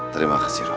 terima kasih roman